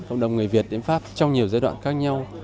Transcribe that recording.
cộng đồng người việt đến pháp trong nhiều giai đoạn khác nhau